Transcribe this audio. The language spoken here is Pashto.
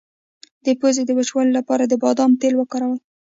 د پوزې د وچوالي لپاره د بادام تېل وکاروئ